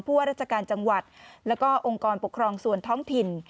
ว่าราชการจังหวัดแล้วก็องค์กรปกครองส่วนท้องถิ่น